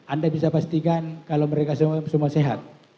anda bisa pastikan kalau mereka semua sehat